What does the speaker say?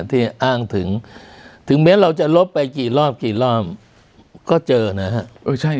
ที่อ้างถึงถึงแม้เราจะลบไปกี่รอบกี่รอบก็เจอนะฮะ